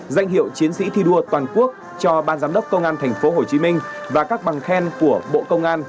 danh hiệu chiến sĩ thi đua toàn quốc cho ban giám đốc công an tp hcm và các bằng khen của bộ công an